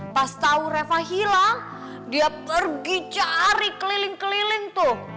pas tau reva hilang dia pergi cari keliling keliling tuh